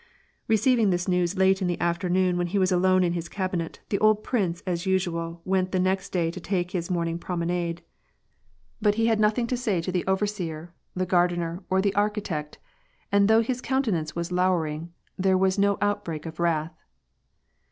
Receiving this news late in the afternoon when he was alone in his cabinet, the old prince as usual went the next day to take his morning promenade, but he had nothing to say to the WAR AND PEACE. 83 OTerseer, the gardener, or the architect, and though his coun tenance was lowering, there was no outbreak of wrath.